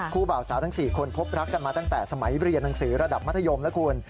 บ่าวสาวทั้ง๔คนพบรักกันมาตั้งแต่สมัยเรียนหนังสือระดับมัธยมแล้วคุณ